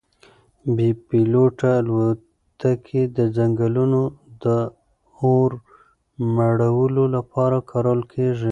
بې پیلوټه الوتکې د ځنګلونو د اور مړولو لپاره کارول کیږي.